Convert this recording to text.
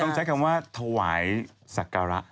ใช้คำว่าถวายสักการะ